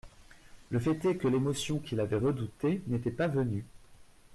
Le fait est que l'émotion qu'il avait redoutée n'était pas venue.